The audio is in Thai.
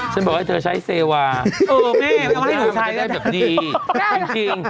โปรดติดตามตอนต่อไป